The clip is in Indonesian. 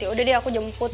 ya udah deh aku jemput